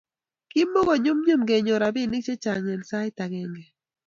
kimoko nyumnyum kenyor ropinik chechang eng sait akenge